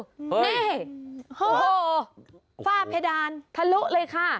นี่โอ้โหฝ้าเพดานทะลุเลยค่ะ